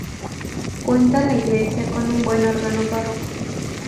Cuenta la iglesia con un buen órgano barroco.